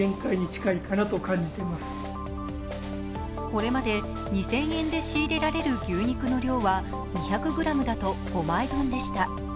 これまで２０００円で仕入れられる牛肉の量は２００ｇだと５枚分でした。